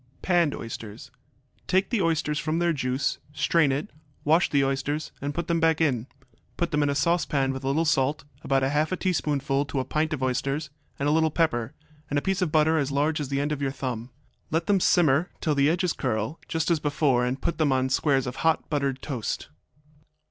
Panned Oysters Take the oysters from their juice, strain it, wash the oysters, and put them back in. Put them in a saucepan with a little salt, about half a teaspoonful to a pint of oysters, and a little pepper, and a piece of butter as large as the end of your thumb. Let them simmer till the edges curl, just as before, and put them on squares of hot buttered toast.